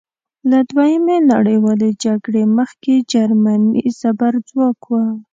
له دویمې نړیوالې جګړې مخکې جرمني زبرځواک وه.